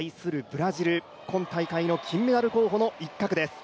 ブラジル、今大会の金メダル候補の一角です。